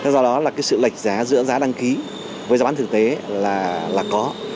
do đó là cái sự lệch giá giữa giá đăng ký với giá bán thực tế là có